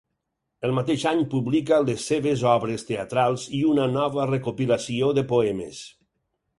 El mateix any publica les seves obres teatrals i una nova recopilació de poemes.